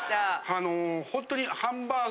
あのホントに。